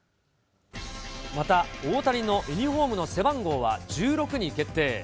また、大谷のユニホームの背番号は１６に決定。